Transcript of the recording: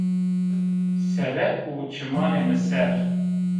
Sere û çimanê mi ser